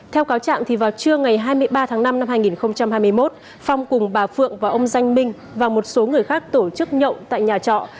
theo cáo trạng vào trưa ngày hai mươi ba tháng năm năm hai nghìn hai mươi một phong cùng bà phượng và ông danh minh và một số người khác tổ chức nhậu tại nhà trọ